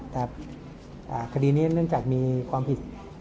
แต่คดีนี้เนื่องจากมีความผิด